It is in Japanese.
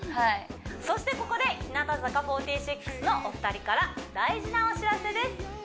そしてここで日向坂４６のお二人から大事なお知らせです